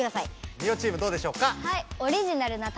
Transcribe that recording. ミオチームどうでしょうか？